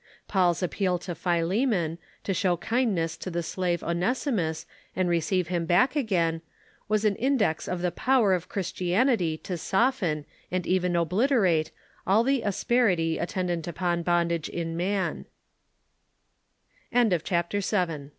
Paul's appeal to Philemon, to show kindness to the slave Onesimus and receive him back again, was an index of the power of Christianity to soften, and even obliterate, all the asperity attendant upon bondag